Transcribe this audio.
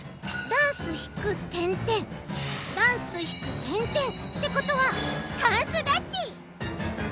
ダンスひく点々ってことは「タンス」だち！